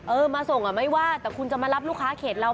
เออมาส่งอ่ะไม่ว่าแต่คุณจะมารับลูกค้าเขตเรา